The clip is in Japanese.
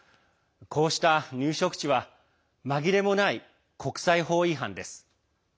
こうした入植地は紛れもない国際法違反です。